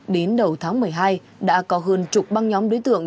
đến đầu tháng một mươi hai đã có hơn chục băng nhóm đối tượng